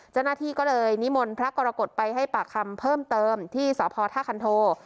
เจ้าหน้าที่ก็เลยนิมนต์พระกรกฎไปให้ปากคำเพิ่มเติมที่สพท่าคันโท